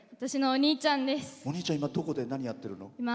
おにいちゃん、今どこで何やってるの？